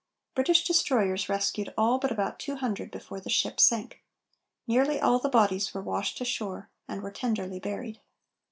British destroyers rescued all but about two hundred before the ship sank. Nearly all the bodies were washed ashore and were tenderly buried.